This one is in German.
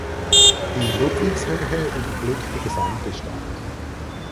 Die Ludwigshöhe überblickt die gesamte Stadt.